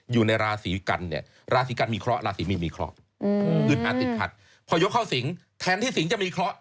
อยู่ในราศรีกันราศรีกันมีเคราะห์นั่นมีเคราะห์